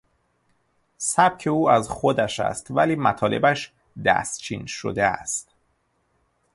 سبک او از خودش است ولی مطالبش دستچین شده است.